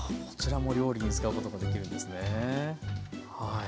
こちらも料理に使うことができるんですね。